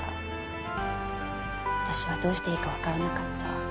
私はどうしていいかわからなかった。